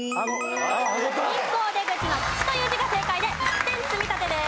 人口出口の「口」という字が正解で１点積み立てです。